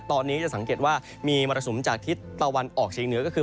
ตอนนี้จะสังเกตว่ามีมรสุมจากทิศตะวันออกเชียงเหนือก็คือ